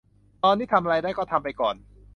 ตอนนี้ทำอะไรได้ก็ทำไปก่อน